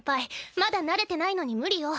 まだ慣れてないのに無理よ。